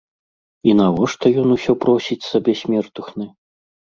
І навошта ён усё просіць сабе смертухны?